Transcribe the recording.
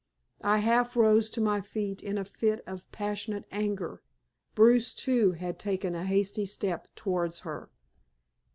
I half rose to my feet in a fit of passionate anger. Bruce, too, had taken a hasty step towards her.